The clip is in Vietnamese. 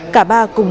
cả ba cùng chung